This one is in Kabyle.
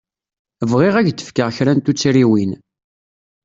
Bɣiɣ ad k-d-fkeɣ kra n tuttriwin.